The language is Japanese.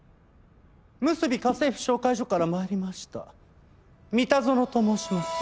むすび家政婦紹介所から参りました三田園と申します。